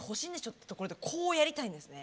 ってところでこうやりたいんですね。